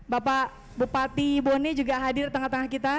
bapak bupati bone juga hadir tengah tengah kita